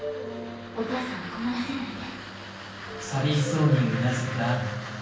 お母さんを困らせないで。